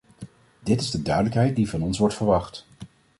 Dit is de duidelijkheid die van ons wordt verwacht.